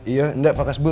iya pak kasbul